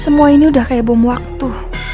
semua ini udah kayak bom waktu